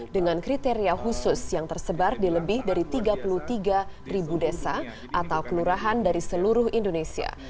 dengan kriteria khusus yang tersebar di lebih dari tiga puluh tiga desa atau kelurahan dari seluruh indonesia